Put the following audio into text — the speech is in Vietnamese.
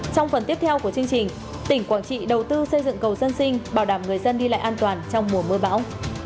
trong phần tiếp theo của chương trình tỉnh quảng trị đầu tư xây dựng cầu dân sinh bảo đảm người dân đi lại an toàn trong mùa mưa bão